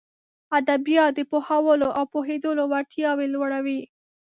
ادبيات د پوهولو او پوهېدلو وړتياوې لوړوي.